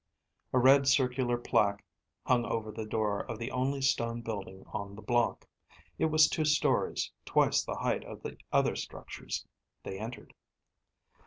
A red, circular plaque hung over the door of the only stone building on the block. It was two stories, twice the height of the other structures. They entered.